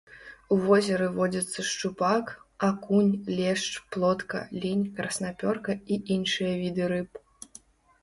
У возеры водзяцца шчупак, акунь, лешч, плотка, лінь, краснапёрка і іншыя віды рыб.